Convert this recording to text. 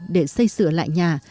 để xây sửa lại nhà